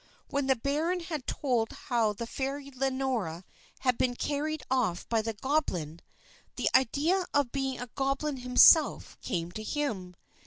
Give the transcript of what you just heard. When the baron had told how the fair Lenora had been carried off by the goblin, the idea of being a goblin himself came to him.